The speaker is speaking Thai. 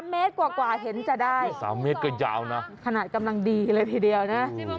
๓เมตรกว่าเห็นจะได้ขนาดกำลังดีเลยทีเดียวนะ